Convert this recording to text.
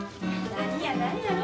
何やないやろ。